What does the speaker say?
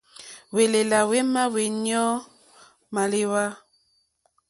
Hwélèlà hwémá hwéɲɔ́ǃɔ́ mâléwá.